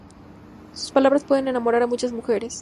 Sus palabras pueden enamorar a muchas mujeres.